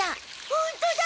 ホントだ。